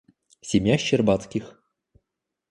Семья Щербацких.